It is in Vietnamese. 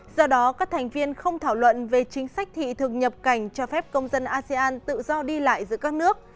do đó các thành viên không thảo luận về chính sách thị thực nhập cảnh cho phép công dân asean tự do đi lại giữa các nước